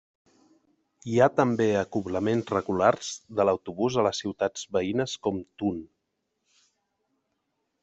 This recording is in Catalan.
Hi ha també acoblaments regulars de l'autobús a les ciutats veïnes com Thun.